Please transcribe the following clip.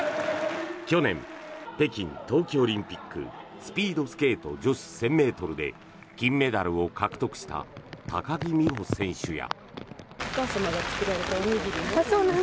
去年、北京冬季オリンピックスピードスケート女子１０００ｍで金メダルを獲得した高木美帆選手や。